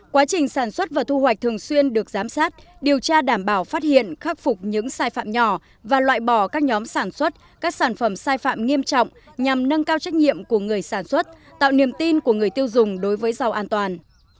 quá trình sản xuất và thu hoạch thường xuyên được giám sát điều tra đảm bảo phát hiện khắc phục những sai phạm nhỏ và loại bỏ các nhóm sản xuất các sản phẩm sai phạm nghiêm trọng nhằm nâng cao trách nhiệm của người sản xuất tạo niềm tin của người tiêu dùng đối với rau an toàn